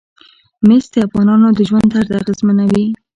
مس د افغانانو د ژوند طرز اغېزمنوي.